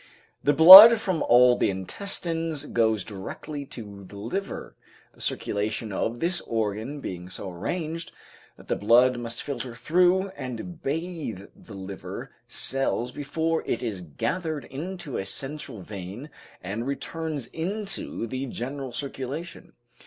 The blood from all the intestines goes directly to the liver, the circulation of this organ being so arranged that the blood must filter through and bathe the liver cells before it is gathered into a central vein and returns into the general circulation.